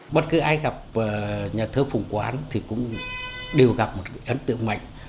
bất cứ ai gặp nhà thơ phùng quán thì cũng đều gặp một ấn tượng mạnh